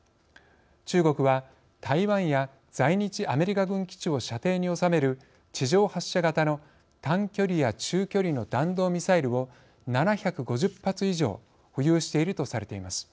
中国は台湾や在日アメリカ軍基地を射程に収める地上発射型の短距離や中距離の弾道ミサイルを７５０発以上保有しているとされています。